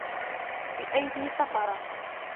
بأيدي سفرة